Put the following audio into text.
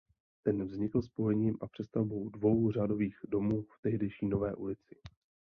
Ten vznikl spojením a přestavbou dvou řadových domů v tehdejší Nové ulici.